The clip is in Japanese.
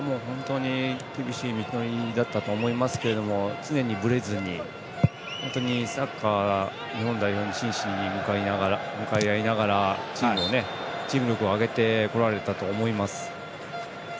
厳しい道のりだったと思いますけど常にぶれずにサッカー日本代表に真摯に向かい合いながらチーム力を上げてこられたと思います。